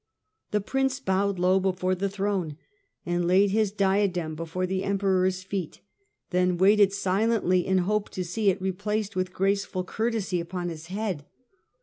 The prince bowed low before the throne, and laid his diadem before the Emperor's feet, then waited silently in hope to see it replaced with graceful courtesy upon his head.